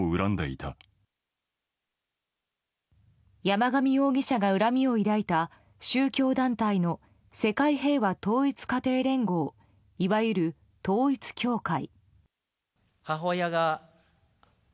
山上容疑者が恨みを抱いた宗教団体の世界平和統一家庭連合いわゆる統一教会。